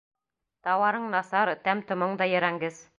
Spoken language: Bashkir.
— Тауарың насар, тәм-томоңда ерәнгес!